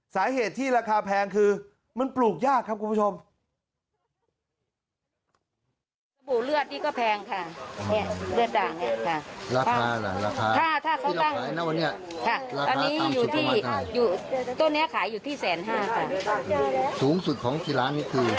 สาเหตุที่ราคาแพงคือมันปลูกยากครับคุณผู้ชม